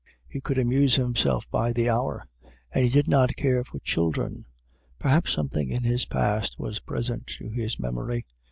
He could amuse himself by the hour, and he did not care for children; perhaps something in his past was present to his memory.